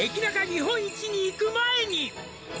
日本一にいく前に」